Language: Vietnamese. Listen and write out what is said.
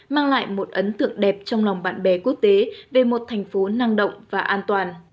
mang lại một ấn tượng đẹp trong lòng bạn bè quốc tế về một thành phố năng động và an toàn